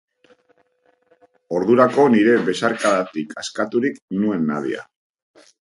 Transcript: Ordurako nire besarkadatik askaturik nuen Nadia.